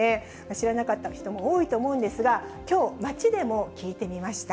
知らなかった人も多いと思うんですが、きょう、街でも聞いてみました。